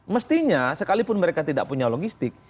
mestinya sekalipun mereka tidak punya logistik